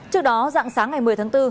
trước đó dặn sáng ngày một mươi tháng bốn